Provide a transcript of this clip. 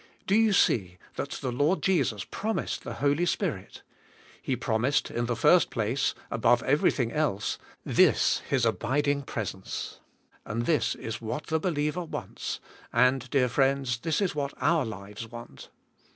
Do you see that the Lord Jesus promised the Holy Spirit? He promised in the first place, above everything else, this — His abiding presence — and this is what the believer wants, and, dear friends, that is what 6>?/rlives want.